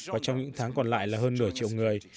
và trong những tháng còn lại là hơn nửa triệu người